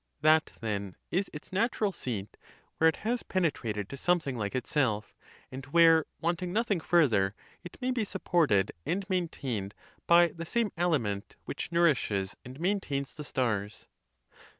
That, then, is its natural seat where it has penetrated to something like itself, and where, wanting nothing further, it may be supported and maintained by the same aliment which nourishes and maintains the stars.